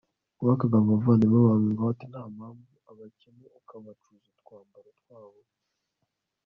wakaga abavandimwe bawe ingwate nta mpamvu, abakene ukabacuza utwambaro twabo